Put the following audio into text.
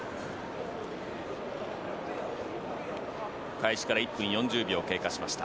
開始から１分４０秒が経過しました。